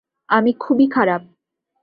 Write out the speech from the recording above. আমি খুবই খারাপ।